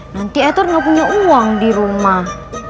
nanti edward gak punya uang di rumah